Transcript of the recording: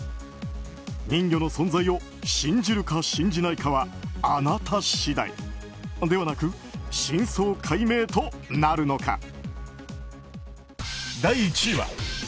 人魚の存在を信じるか信じないかはあなた次第ではなく、真相解明となるのか。